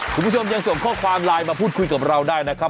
คุณผู้ชมยังส่งข้อความไลน์มาพูดคุยกับเราได้นะครับ